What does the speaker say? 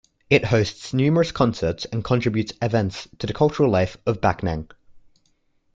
It hosts numerous concerts and contributes events to the cultural life of Backnang.